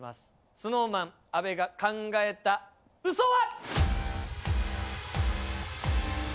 ＳｎｏｗＭａｎ阿部が考えた嘘は？